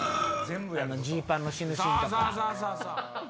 ジーパンの死ぬシーンとか。